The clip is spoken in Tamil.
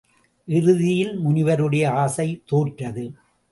இறுதியில் முனிவருடைய ஆசை தோற்றது!